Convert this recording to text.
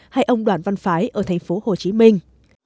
hay ông đoàn văn phái ở thành phố hồ chí minh